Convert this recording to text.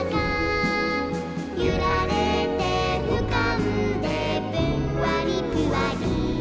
「ゆられてうかんでぷんわりぷわり」